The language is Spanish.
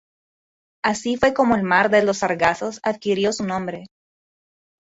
Así fue como el mar de los Sargazos adquirió su nombre.